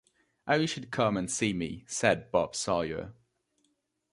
‘I wish you’d come and see me,’ said Bob Sawyer.